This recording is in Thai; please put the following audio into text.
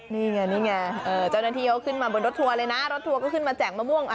นี่ไงจ้อนัททีเขาขึ้นมาบนรถทัวร์เลยนะรถทัวร์เขาขึ้นมาแจกมะม่วง